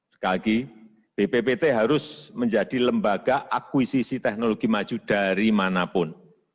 sekali lagi bppt harus menjadi lembaga akuisisi teknologi maju dari manapun